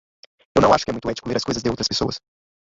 Eu não acho que é muito ético ler as coisas de outras pessoas.